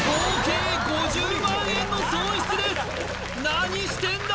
何してんだ